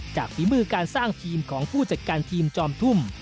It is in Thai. ฝีมือการสร้างทีมของผู้จัดการทีมจอมทุ่ม